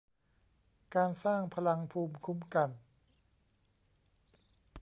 การสร้างพลังภูมิคุ้มกัน